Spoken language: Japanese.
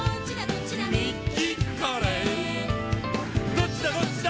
「どっちだどっちだ」